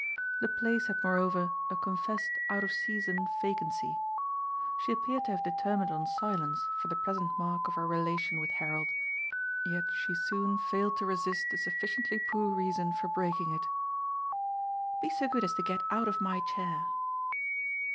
The place had moreover a confessed out of season vacancy. She appeared to have determined on silence for the present mark of her relation with Harold, yet she soon failed to resist a sufficiently poor reason for breaking it. "Be so good as to get out of my chair."